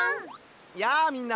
やあみんな！